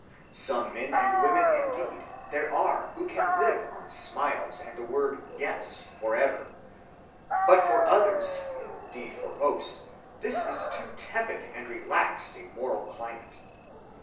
Some men and women, indeed, there are who can live on smiles and the word "yes" forever. But for others (indeed for most), this is too tepid and relaxed a moral climate.